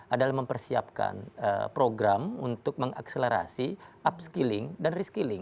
adalah mempersiapkan program untuk mengakselerasi upskilling dan reskilling